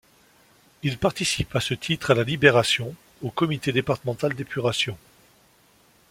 Il participe à ce titre, à la Libération, au comité départemental d'épuration.